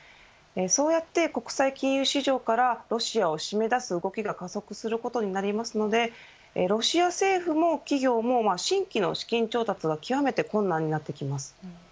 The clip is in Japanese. そうやって国際金融市場からロシアを締め出す動きが加速することになりますのでロシア政府も企業も新規の資金調達が極めて困難になってきます。